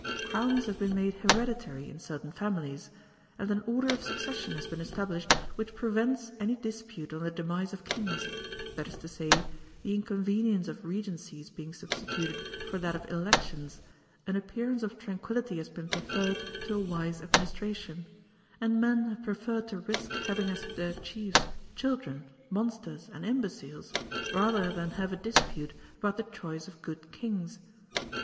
Crowns have been made hereditary in certain families; and an order of succession has been established which prevents any dispute on the demise of kings; that is to say, the inconvenience of regencies being substituted for that of elections, an appearance of tranquillity has been preferred to a wise administration, and men have preferred to risk having as their chiefs children, monsters, and imbeciles, rather than have a dispute about the choice of good kings.